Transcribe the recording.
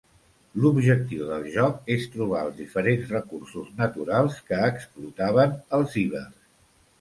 L'objectiu del joc és trobar els diferents recursos naturals que explotaven els ibers.